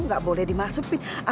gak boleh dimasukin